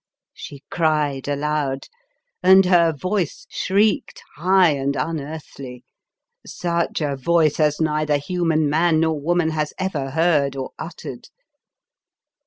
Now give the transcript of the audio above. she cried aloud, and her voice shrieked high and unearthly — such a voice as neither human man nor wo man has ever heard or uttered.